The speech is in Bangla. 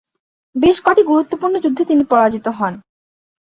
বেশ কটি গুরুত্বপূর্ণ যুদ্ধে তিনি পরাজিত হন।